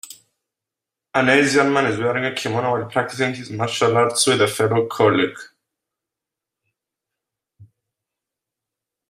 An asian man is wearing a kimono while practicing his martial arts with a fellow colleague.